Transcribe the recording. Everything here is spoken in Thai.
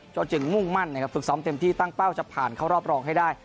ก็จึงมุ่งมั่นนะครับฝึกซ้อมเต็มที่ตั้งเป้าจะผ่านเข้ารอบรองให้ได้